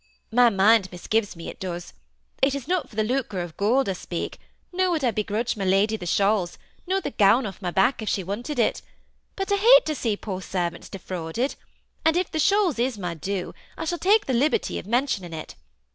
My mind misgives me, it does. It is not for the lucre of gold I speak, nor that I would grudge my Lady the shawls, nor the gown off my back if she wanted it, but I hate to see poor servants defraud ed, and if the shawls is my due, I shall take the liberty of mentioning it.